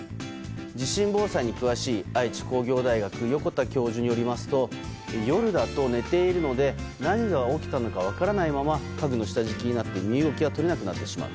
地震防災に詳しい愛知工業大学横田教授によりますと夜だと寝ているので何が起きたのか分からないまま家具の下敷きになって身動きが取れなくなってしまう。